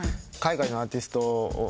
海外のアーティスト。